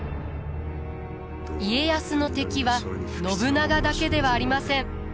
家康の敵は信長だけではありません。